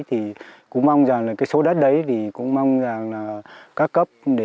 thì cũng mong rằng là cái số đất đấy thì cũng mong rằng là các cấp để